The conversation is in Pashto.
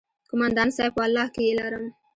کومندان صايب ولله که يې لرم.